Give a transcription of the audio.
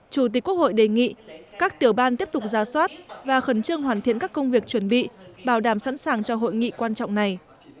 chủ tịch quốc hội đề nghị các tiểu ban tiếp tục ra soát và khẩn trương hoàn thiện các công việc chuẩn bị bảo đảm sẵn sàng cho hội nghị quan trọng này